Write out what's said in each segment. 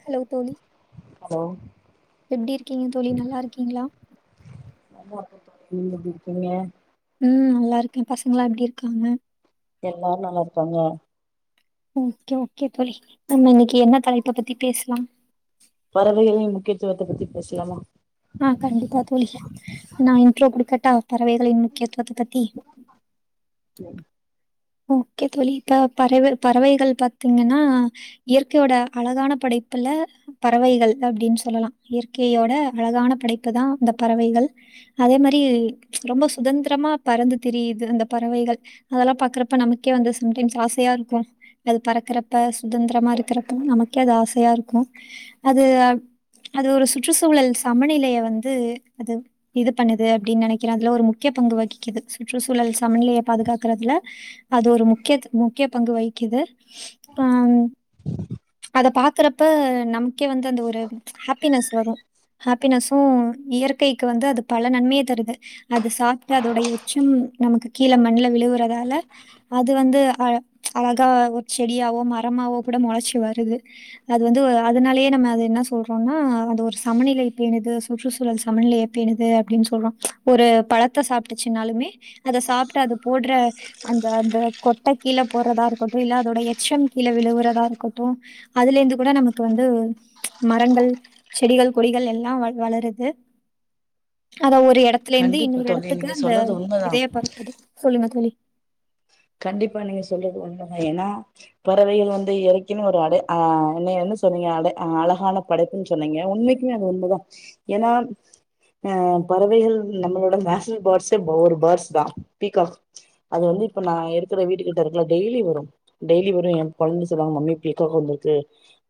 Hello தோழி hello எப்டி இருக்கீங்க தோழி நல்லாருக்கீங்ளா நல்லார்க்கே தோழி நீங்க எப்டி இருக்கீங்க ம் நல்லாருக்கே பசங்கள்லா எப்டிருக்காங்க எல்லாரு நல்லாருக்காங்க ஓகே ஓகே தோழி நம்ம இன்னிக்கி என்ன தலைப்ப பத்தி பேசலா பறவைகளின் முக்கியத்துவத்த பத்தி பேசலாமா ஆ கண்டிப்பா தோழி நா இன்ட்ரோ குடுக்கட்டா பறவைகளின் முக்கியத்துவத்த பத்தி ஓகே தோழி இப்ப பறவ பறவைகள் பாத்தீங்கன்னா இயற்கையோட அழகான படை ப்புல பறவைகள் அப்டின் சொல்லலா இயற்கையோட அழகான படைப்பு தா இந்த பறவைகள் அதே மாரி ரொம்ப சுதந்திரமா பறந்து திரியுது அந்த பறவைகள் அதல்லா பாக்குற ப்ப நமக்கே வந்து சம்டைம்ஸ் ஆசையாருக்கு அது பறக்கறப்ப சுதந்திரமா இருக்கிறப்பல்லா நமக்கே அது ஆசையா ருக்கு அது அ அது ஒரு சுற்றுசூழல் சமநிலைய வந்து அது இது பண்ணுது அப்டின் நெனைக்கிறே அதுல ஒரு முக்கிய பங்கு வகிக்கிது சுற்றுசூழல் சமநிலைய பாதுகாக்கறதுல அது ஒரு முக்கியத் முக்கிய பங்கு வகிக்கிது அ ம் அத பாக்குறப்ப நமக்கே வந்து அந்த ஒரு ஹெப்பினஸ் வரு ஹாப்பினஸு இயற்கைக்கு வந்து அது பல நன்மைய தருது அது சாப்ட்டு அதோட எச்சும் நமக்கு கீழ மண்ல விழுவுறதால அது வந்து அ அழகா ஒரு செடியாவோ மரமாவோ கூட மொளச்சு வருது அது வந்து அதனாலயே நம்ம அது என்ன சொல்றோனா அது ஒரு சமநிலை பேனுது சுற்றுசூழல் சமநிலைய பேனு து அப்டின்னு சொல்றோ ஒரு பழத்த சாப்ட்டுச்சுன்னாலுமே அத சாப்ட்டு அது போடுற அந்த அந்த கொட்ட கீழ போடுறதா இருக்கட்டு இல்ல அதோட எச்சம் கீழே விழுவுறதா இருக்கட்டு அதுலே ந்து கூட நமக்கு வந்து மரங்கள் செடிகள் கொடிகள் எல்லா வளருது அத ஒரு எடத்துலேந்து கண்டிப்பா இன்னொரு தோழி எடத்துக்கு நீங்க அந்த சொல்றது உண்மதா விதய பரத்துது சொல்லுங்க தோழி கண்டிப்பா நீங்க சொல்றது உண்மதா ஏன்னா பறவைக வந்து எறைக்குனு ஒரு அடை ஆ என்ன வந்து சொன்னீங்க அட அழகான படைப்புன் சொன்னீங்க உண்மைக்குமே அது உண்மதா ஏன்னா அ பறவைகள் நம்மளோட நேஷனல் பேட்ஸ்சே ஒரு பேட்ஸ் தா பீகாக் அது வந்து இப்ப நா இருக்கிற வீட்டுக்கிட்ட இருக்கல டெய்லி வரு டெய்லி வரு எ கொழந்த சொல்வாங்க மம்மி பிக்காக் வந்திருக்கு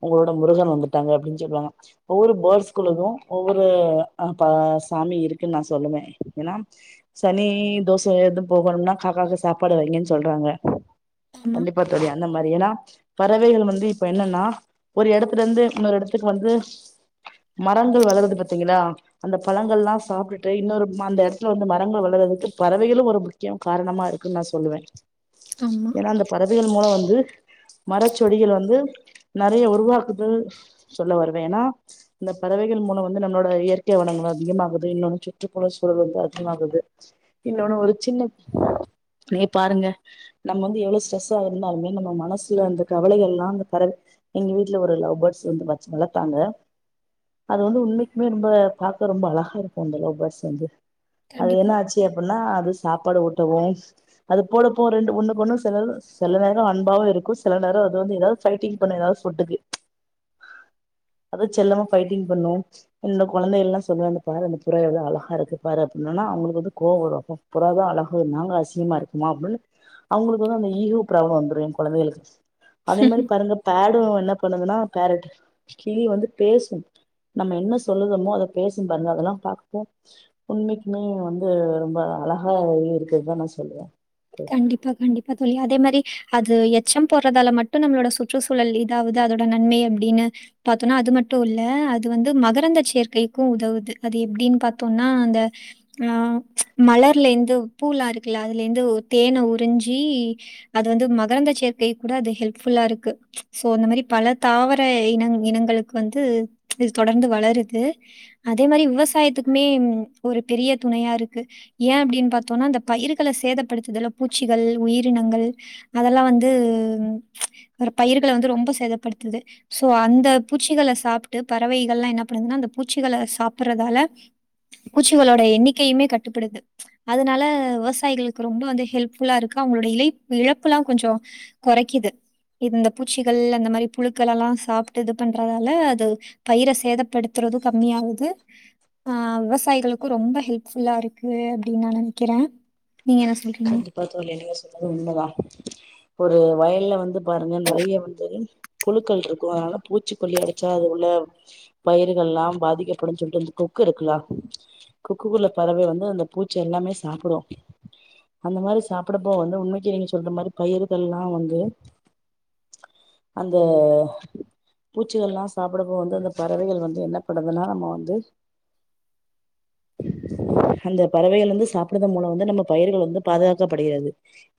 உங்களோட முருகன் வந்துட்டாங்க அப்படின் சொல்லுவாங்க ஒவ்வொரு பேர்ட்ஸ்குள்ளதும் ஒவ்வொரு அ ப சாமி இருக்குன் நா சொல்லுவே ஏன்னா சனி தோசம் எதுவு போகணுனா காக்காக்கு சாப் ப்பாடு வைங்கன்னு சொல்றாங்க ஆமா, கண்டிப்பா தோழி அந்த மாரி ஏன்னா பறவைகள் வந்து இப்ப என்னன்னா ஒரு எடத்துல இருந்து இன்னொரு எடத்துக்கு வந்து மரங்கள் வளறது பாத்தீங்களா அந்த பழங்கள்ளா சாப்டுட்டு இன்னொரு அந்த இடத்துல வந்து மரங்கள் வளறது க்கு பறவைகளு ஒரு முக்கியம் காரணமாக இருக்கு நா சொல்லுவே ஆமா. ஏன்னா அந்த பறவைகள் மூலம் வந்து மரச்சொடிகள் வந்து நெறய உருவாக்குதல் சொல்ல வருவே ஏன்னா இந்த பறவைகள் மூல வந்து நம்மளோட இயற்கை வளங் அதிகமாகுது இன்னொன்னு சுற்றுப்புற சூழல் வந்து அதிகமாகுது இன்னொன்னு ஒரு சின்ன நீ பாருங்க நம்ம வந்து எவ்ளோ ஸ்ட்ரெஸ்ஸா இருந்தாலுமே நம்ம மனசு அந்த கவலைகள் எல்லா அந்த பற எங்க வீட்ல ஒரு லவ் பேர்ட்ஸ் வந்து வச்சு வளத்தாங்க அது வந்து உண்மைக்குமே ரொம்ப பாக்க ரொம்ப அழகா இருக்கு அந்த லவ் பேட்ஸ் வந்து அது கண்டிப்பா. என்னாச்சு அப்பன்னா அது சாப்பாடு ஊட்டவு அது போலப்ப ரெண்டு ஒன்னுக்கு ஒன்னு செல செல நேர அன்பாவு இருக்கு செல நேர அது வந்து ஏதாது ஃபைட்டிங் பண்ண ஏதாது சொட்டுக்கு அது செல்லமா ஃபைட்டிங் பண்ணு என் கொழந்தைகள் எல்லா சொல்லுவாங்க அங்க பாரு அந்தப் புறா எவ்ளோ அழகா இருக்கு பாரு அப்டின் னா அவங்களுக்கு வந்து கோவ வரு அப்போ புறாதா அழகோ நாங்க அசி யமா இருக்குமா அப்டினு அவங்களுக்கு வந்து அந்த ஈகோ ப்ராப்ள வந்துடு எ கொழந்தைகளுக்கு அதே மாரி பாருங்க பேடும் என்ன பண்ணுதுன்னா பேரட் கிளி வந்து பேசும் நம்ம என்ன சொல்லுறோமோ அத பேசும் பாருங்க அதல்லா பாக்கவு உண்மைக்குமே வந்து ரொம்ப அழகா இருக்குதுதா நா சொல்லுவ கண்டிப்பா கண்டிப்பா தோழி அதே மாரி அது அச்சம் போறதால மட்டு நம்மளோட சுற்றுச்சூழல் இதாவது அதோட நன்மை அப்படினு பாத்தோனா அது மட்டு இல்ல அது வந்து மகரந்த சேர்க்கைக்கு உதவுவது அது எப்படின் பாத்தோம்னா அந்த மலர்ல இந்து பூலா இருக்குல்ல அதுலேந்து தேன உறிஞ்சி அது வந்து மகரந்த சேர்க்கை கூட அது ஹெல்ஃபுல்லா இருக்கு சோ அந்த மாரி பல தாவர இன இனங்களுக்கு வந்து இது தொடர்ந்து வளருது அதே மாரி விவசா சாயத்துக்குமே ஒரு பெரிய துணையா இருக்கு ஏ அப்படின் பாத்தோனா அந்த பயிர்கள சேதப் படுத்துதுல பூச்சிகள் உயிரினங்கள் அதெல்லா வந்து ஒரு பயிர்கள வந்து ரொம்ப சேதப்படுத்துது சோ அந்த பூச்சிகளை சாப்ட்டு பறவைகள் எல்லா என்ன பண்ணுதுன்னா பூச்சிகள சாப்பிறதால பூச்சிகளோட எண்ணிக்கையுமே கட்டுப்படுது அதனால விவசாயிகளுக் ரொம்ப வந்து ஹெல்ப்ஃபுல்லா இருக்கு அவங்களோட இழை இழப்பு எல்லாம் கொஞ்ச கொறைக்குது இந்த பூச்சிகள் அந்த மாரி புழுக்கள் எல்லா சாப்ட்டு இது பண்றதால அது பயிர சேதப்படுத்துற து கம்மியாகுது ஆ விவசாயிகளுக்கு ரொம்ப ஹெல்ப்ஃபுல்லா இருக்கு அப்டி நா நெனைக்கிறே கண்டிப்பா தோழி நீங்க சொன்னதும் உண்மதா ஒரு வயல்ல வந்து பாருங்க நறைய வந்து புழுக்கள்ருக்கும் அதனால பூச்சிக்கொல்லி அடைச்சா அது உள்ள பயிர்கள்லா பாதிக்கப்படும்னு சொல்ட்டுந்த கொக்கு இருக்குல கொக்குக்குள்ள பறவை வந்து அந்த பூச்சி எல்லாமே சாப்பிடு அந்த மாரி சாப்பிடப்போ வந்து உண்மைக்கே நீங்க சொல்ற மாரி பயிர்கள்லா வந்து அந்த பூச்சிகள்லா சாப்பிடப்போ வந்து அந்த பறவைகள் வந்து என்ன பண்னுதுனா நம்ம வந்து அந்த பறவைகள் வந்து சாப்பிடுறது மூலம் வந்து நம்ம பயிர்கள் வந்து பாதுகாக்கப்படுகிறது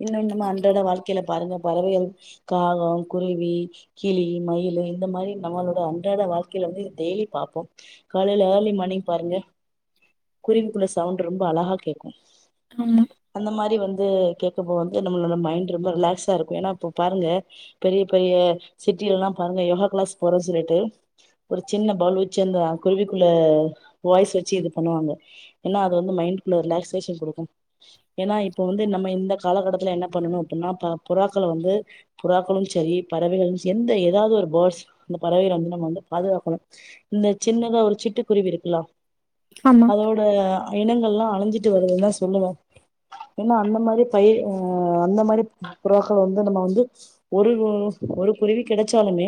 இன்னு இன்னும் கண்டிப்பா. அன்றாட வாழ்க்கையில பாருங்க பறவைகல் காகோ குருவி கிளி மயிலு இந்த மாரி நம்மளோட அன்றாட வாழ்க்கையில வந்து டெய்லி பாப்போம் காலையில ஏர்லி மார்னிங் பாருங்க குருவிக்குள்ள சவுண்ட் ரொம்ப அழஹா கேக்கும் ஆமா, அந்த மாரி வந்து கேட்கப்போ வந்து நம்மலோட மைண்ட் ரொம்ப ரிலாக்ஸா இருக்கு ஏனா இப்ப பாருங்க பெரிய பெரிய அ சிட்டியிலல்லா பாருங்க யோஹா கிளாஸ் போற சொல்லிட்டு ஒரு சின்ன பால் வச்சந்த குருவிக்குள்ள அ வாய்ஸ் வச்சு இது பண்ணுவாங்க ஏனா அது வந்து மைண்ட்குள்ள ரிலாக்சேஷன் குடுக்கு ஏனா இப்ப வந்து நம்ம இந்த காலகட்டத்துல என்ன பண்ணணும் அப்படின்னா புறாக்கல் வந்து புறாக்களும் செரி பறவைகளும் செ எந்த ஏதாவது ஒரு பர்ட்ஸ் பறவைகள வந்து நம்ம வந்து பாதுகாக்கனு இந்த சின்னதா ஒரு சின் ட்டு குருவி இருக்கலா ஆமா. அதோட இனங்கள்லா அழிஞ்சிட்டு வருது தா சொல்லுவே ஏனா அந்த மாரி பயி அ அந்த மாரி புறாக்கள் வந்து நம்ம வந்து ஒரு ரு ஒரு குருவி கிடைச்சாலுமே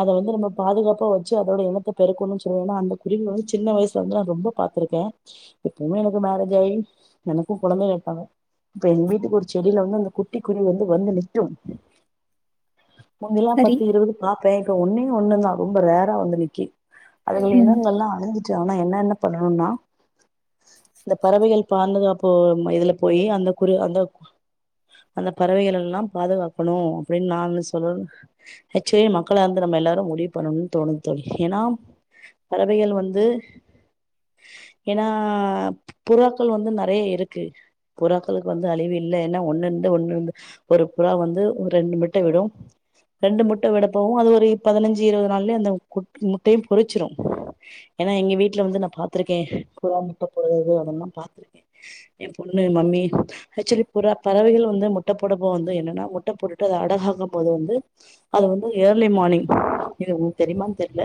அத வந்து நம்ம பாதுகாப்பா வச்சு அதோட இனத்த பெருக்கணு சொல்லுவ ஏனா அந்த குருவி வந்து சின்ன வயசல வந்து நா ரொம்ப பாத் துருக்க எப்பவுமே எனக்கு மேரேஜ் ஆகி எனக்கும் குழந்தைக இருகாங்க இப்ப எங்க வீட்டுக்கு ஒரு செடியில வந்து அந்த குட்டி குருவி வந்து வந்து நிக்கு முந்திலாம் சரி. பத்து இருபது பாப்பே இப்ப ஒன்னே ஒண்ணு தா ரொம்ப ரேரா வந்து நிக்கு அதுங்கல் ம். இனங்கள்லா அழி்சிட்டு ஆனா என்னன்ன பண்ணணுனா இந்த பறவைகள் பாடுநது அ போ மயிதுல போயி அந்த குரு அந்த கு அந்த பறவைகள் எல்லாம் பாதுகாக்கணும் அப்படின்னு நான் சொல்ல ஆக்சுவலி மக்களாருந்து நம்ம எல்லாரும் முடிவு பண்ணணுனு தோணுது தோழி ஏனா பறவைகள் வந்து ஏனா புறாக்கள் வந்து நறைய ருக்கு புறாக்களுக்கு வந்து அழிவு இல்ல ஏனா ஒன்னு இருந்த ஒன்னு இருந்து ஒரு புறா வந்து ரெண்டு மிட்ட விடும் ரெண்டு முட்ட விடப்பவும் அது ஒரு பதினைஞ்சு இருவது நாள்லயே அந்த குட் முட்டைய பொரிச்சிரு ஏனா எங்க வீட்டுல வந்து நா பாத்துருக்க புறா முட்ட போடுறது அதல்லா பா்த்துருக்கே எ பொண்ணு மம்மி ஆக்சுவலி புற பறவைகள் வந்து முட்ட போடபோ வந்து என்னன்னா முட்ட போட்டுட்டு அது அடஹா ங்க போது வந்து அது வந்து ஏர்லி மார்னிங் இது உனக் தெரியு மானு தெரில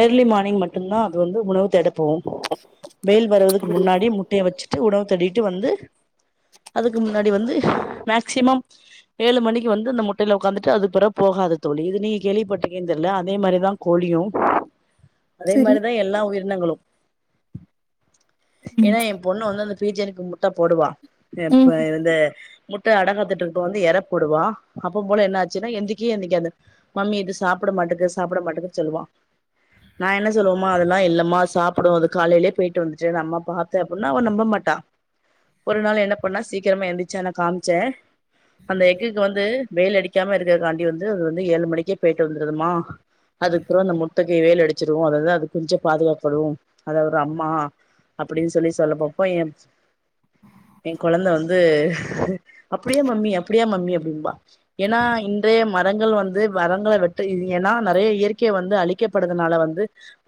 ஏர்லி மார்னிங் மட்டுந்தா அது வந்து உணவு தெடா போம் வெயில் வருவதுக்கு முன்னாடி முட்டைய வச்சுட்டு உணவு தெடிட்டு வந்து அதுக்கு முன்னாடி வந்து மேக்சிமம் ஏழு மணிக்கு வந்து இந்த முட்டையில ஒக்காந்துட்டு அது பிறகு போக ஆது தோழி இது நீ கேள்விப்பட்ருக்கியானு தெரில அதே மாரிதா கோழியும் அதே சரி. மாரிதா எல்லா உயிரினங்களும் ம். ஏனா எ பொண்ணு வந்து அந்த பீஜனுக்கு முட்ட போடுவா ம். இப்ப இந்த முட்ட அடகாத்துட்டுருக்கபோ வந்து எற போடுவா அப்ப போல என்ன ஆச்சுன்னா எந்திக்கே எந்திகாது ட மாட்டகு சாப்பிட மாட்டகு சொல்லுவா நா என்ன சொல்லுவ மா அதெல்லா இல்லம்மா சாப்புடு அது காலைலே போயிட்டு வந்துட்டு நம்ம பாத்த அப்படின்னா நம்ப மாட் டா ஒரு நாள் என்ன பண்ணா சீக்கிரமா எழுந்திச்ச நா காம்ச்ச அந்த எக்குக்கு வந்து வெயில் அடிக்காம இருக்கக்காண்டி வந்து அது வந்து ஏழு மணிக்கே போயிட்டு வந்துருதுமா அதுக்கப்புற அந்த முட்டைக்கு வேல் அடிச்சிருவ அப்பதா அது கொஞ்சோ பாதுகாப்படு அதுப்புறொ அம்மா அப்டின்னு சொல்லி சொல்லப்பப்போ என் எ கொழந்த வந்து அப்டியா மம்மி அப்டியா மம்மி அப்டிம்பா ஏன்னா இங் க மரங்கள் வந்து மரங்கள வெட்ட இ ஏன்னா நெறைய இயற்கை வந்து அழிக்கப்படுதுனால வந்து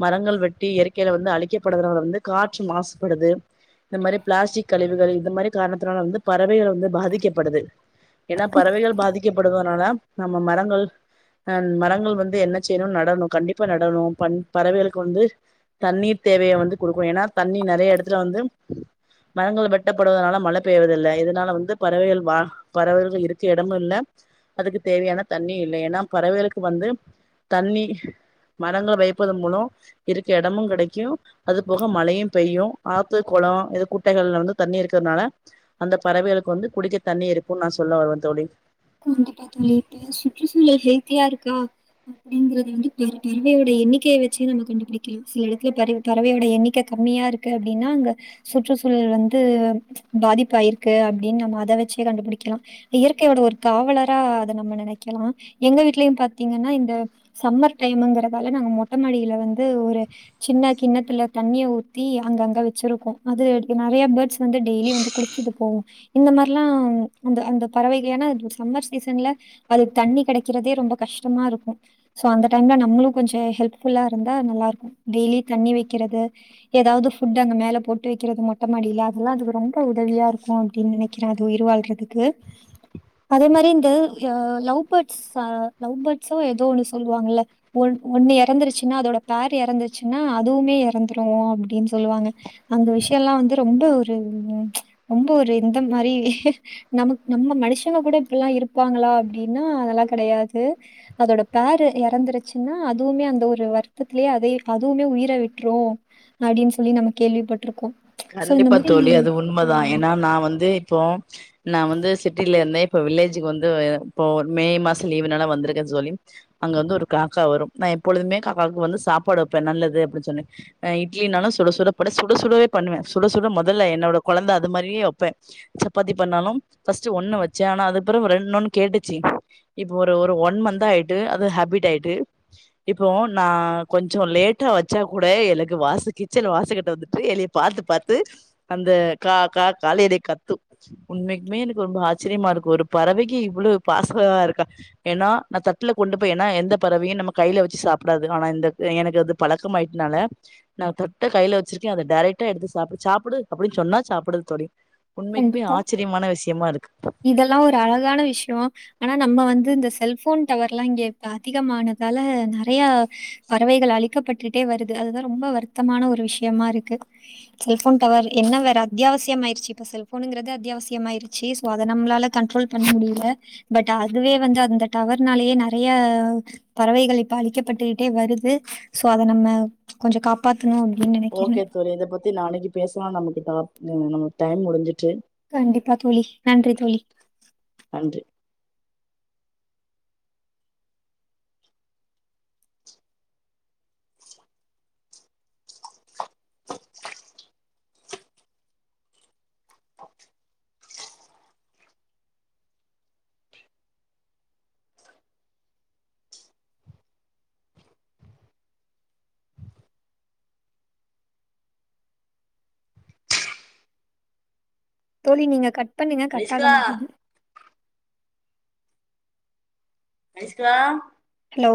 மர ங்கள் வெட்டி இயற்கையில வந்து அழிக்கப்படுதுனால வந்து காற்று மாசுபடுது இந்த மாரி பிளாஸ்டிக் கழிவுகள் இந்த மாரி காரணத்துனால வந்து பறவைகள் வந்து பாதிக்கப்படுது ஏன்னா பறவைகள் பாதிக்கப்படதுனால நம்ம மரங்கள் அ மரங்கள் வந்து என்ன செய்யணு நடணு கண்டிப்பா நடணு பண் பறவைகளுக்கு வந்து தண்ணீர் தேவைய வந்து கொடுக்கு ஏன்னா தண்ணி நெறைய எடத்துல வந்து மரங்கள் வெட்டப்படுவதனால மழை பெய்வதில்ல இதனால வந்து பறவைகள் வா பறவைகள் இருக்க எடமு இல்ல அதுக்கு தேவையான தண்ணி இல்ல ஏன்னா பறவைகளுக்கு வந்து தண்ணி மரங்கள்ல வைப்பதன் மூலொ இருக்க எடமு கெடைக்கு அது போக மழையு பெய்யு ஆத்து குளோ இது குட்டைகள்ல வந்து தண்ணி இருக்குறனால அந்த பறவைகளுக்கு வந்து குடிக்க தண்ணி இருக்குன்னு நா சொல்ல வரே தோழி கூர்ந்து பாத்திங்களா இப்ப சுற்றுசூழல் ஹெத்தியா இருக்கா அப்டிங்கறது வந்து பர் பறவையோட எண்ணிக்கைய வெச்சே நம்ம கண்டுபுடிக்கலா சில எடத்துல பற பறவையோட எண்ணிக் க கம்மியா இருக்கு அப்டின்னா அங்க சுற்றுச்சூழல் வந்து பாதிப்பாயிருக்கு அப்டின்னு நம்ம அத வெச்சே கண்டுபிடிக்குலா இயற்கையோடது ஒரு காவலரா அத நம்ம நெனைக்கலா எங்க வீடலயு பாத்தீங்கன்னா இந்த சம்மர் டைம்ங்குறதால ந ங்க மொட்ட மாடில வந்து ஒரு சின்ன கிண்ணத்துல தண்ணிய ஊத்தி அங்கங்க வெச்சிருக்கோ அது நெறைய பேட்ஸ் வந்து டெய்லி வந்து குடிச்சுட்டு போவோ இந்த மாரிலா அந்த அந்த பறவைகளேனா [unintelligible] சம்மர் சீசன்ல அதுக்கு தண்ணி கெடைக்குறதே ரொம்ப கஷ்டமா இருக்கு சோ அந்த டைம்ல நம்மளு கொஞ்சோ ஹெல்ம் ஃபுல்லா இருந்தா நல்லா இருக்கு டெய்லி தண்ணி வைக்கிறது எதாவது ஃபுட் அங்க மேல போட்டு வைக்குறது மட் டமாடியல அதெல்லா அதுக்கு ரொம்ப உதவியா இருக்கு அப்டின்னு நெனைக்கிறே அது உயிர் வாழ்றதுக்கு அதே மாதரி இந்த அ லவ் பேட்ஸா லவ் பேட்ஸோ ஏதோ ஒன்னு சொல்லுவாங்கல்ல ஒ ஒ ஒன்னு எறந்துருச்சுன்னா அதோட பேர் எறந்துச்சுன்னா அதுவுமே எறந்துரு அப்டின் சொல்லுவாங்க அந்த விஷியோ ல்லா வந்து ரொம்ப ஒரு ரொம்ப ஒரு எந்த மாரி நம் நம்ம மனுஷ் ஷங்க கூட இப்பில்லா இருப்பாங்களா அப்டின்னா அதெல்லா கெடையாது அதோட பேரு எறந்துருச்சுன்னா அதுவுமே அந்த ஒரு வருத்தத்திலயே அதே அதுவுமே உயிர விட்ரு அப்டின்னு சொல்லி நம்ம கேள்விப்பட்ருக்கோ கண்டிப்பா தோழி அது உண்மதா ஏனா நா வந்து இப்போ நா வந்து சிட்டில இருந்தே இப்போ வில்லேஜுக்கு வந்து இப்போ மே மாச லீவ்னால வந்துருக்கே சொல்லி அங்க வந்து ஒரு காக்கா வரு எப்பொழுதுமே காக்காக்கு வந்து சாப்பாடு வெப்பே நல்லது அப்டின்னு சொன்ன அ இட்லினாலு சுட சுட போட் சுடசுடவே பண்ணுவே சுட சுட மொதல்ல என்னோட கொழந்த அது மாரியே வெப்பே சப்பாத்தி பண்ணாலு ஃபஸ்ட்டு ஒண்ணு வெச்சே ஆனா அதுக்கு பிறவு ரெண்னொன் கேட்டுச்சு இப்போ ஒரு ஒரு ஒன் மந்தா ஆயிட்டு அது ஹேபிட் ஆயிட்டு இப்போ நா கொஞ்சோ லேட்டா வச்சா கூட எனக்கு வாச கிச்சன் வாசகிட்ட வந்துட்டு எழுப் பாத்து பாத்து அந்த காகா காலைலயே கத்து உண்மைக்குமே எனக்கு ரொம்ப ஆச்சரியமா எனக்கு ஒரு பறவைக்கி இவ்ளோ பாசோ இருக்கா ஏனா நா தட்டுல கொண்டு போய் ஏனா எந்த பறவையு நம்ம கை ல வெச்சு சாப்புடாது ஆனா இந்த எனக்கு அது பழக்கம் ஆயிட்னால நா தொட்டு கைல வெச்சிருக்கே அது டேரக் டா எடுத்து சாப்டு சாப்புடு அப்டின்னு சொன்னா சாப்புடுது தோழி உண்மைக்குமே ஆச்சரியமான விஷயமா இருக் இதெல்லா ஒரு அழகான விஷயோ ஆனா நம்ம வந்து இந்த செல்ஃபோன் டவர்லா இங்க இப்ப அதிகமான னால நெறையா பறவைகள் அழி க்கப்பட்டுட்டே வருது அதுதா ரொம்ப வருத்தமான ஒரு விஷ்யமா இருக்கு செல்ஃபோன் டவர் என்ன வேற அத்தியா அவசியம் ஆயிருச்சி இப்போ செல் ஃபோனுங்குறது அத்தியாவசியம் ஆயிருச்சி சோ அத நம்மளால கண்ட்ரோல் பண்ண முடியல பட் அதுவே வந்து அந்த டவர்னாலயே நெறைய பறவைகள் இப்ப அழிக்கப்பட்டுக்குட்டே வருது சோ அத நம்ம கொஞ்சோ காப்பாத் ஓகே தோழி இத பத்தி நாளைக்கு பேசலா நமக்கு டாப் அ நமக்கு டைம் முடிஞ்சுறுச்சு கண்டிப்பா தோழி நன்றி தோழி நன்றி தோழி நீங்க கட் பண்ணுங்க கட்டாக அனுஷ்கா மாட்டேங்கி ஐஸ்கா டவ்